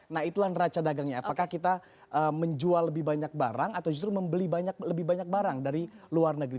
nah itulah neraca dagangnya apakah kita menjual lebih banyak barang atau justru membeli lebih banyak barang dari luar negeri